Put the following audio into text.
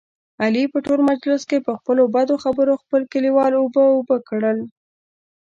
علي په ټول مجلس کې، په خپلو بدو خبرو خپل کلیوال اوبه اوبه کړل.